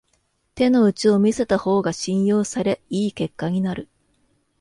手の内を見せた方が信用され良い結果になる